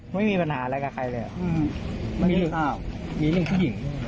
ไม่มีปัญหาอะไรกับใครเลยอ่ะอืมไม่มีข้าว